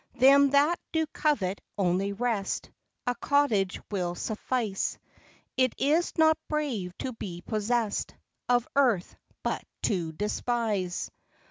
Them that do covet only rest, A cottage will suffice ; It is not brave to be possess'd Of earth, but to despise.